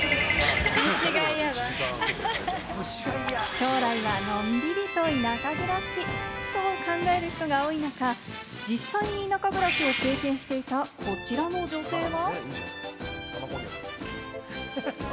将来はのんびりと田舎暮らしと考える人が多い中、実際に田舎暮らしを経験していた、こちらの女性は。